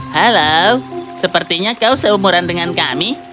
halo sepertinya kau seumuran dengan kami